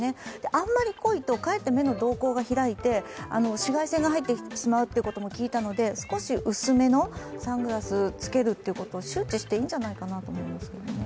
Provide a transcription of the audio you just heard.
あんまり濃いとかえって目の動向が入って紫外線が入ってしまうということも聞いたので少し薄めのサングラスを着けるということを周知していいんじゃないかなと思いますけどね。